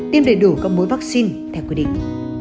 tiêm đầy đủ các mối vaccine theo quy định